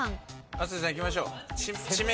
亜生さんいきましょう。